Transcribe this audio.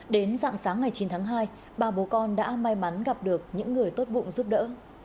đến dạng sáng ngày chín tháng hai ba bố con đã may mắn gặp được những người tốt bụng giúp đỡ